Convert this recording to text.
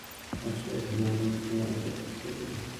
চিংড়ি পোনা ধরতে গিয়ে জেলেরা নষ্ট করছেন অন্য প্রজাতির মাছের পোনা।